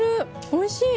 おいしい！